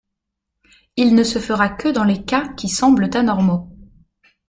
Il ne se fera que dans les cas qui semblent anormaux.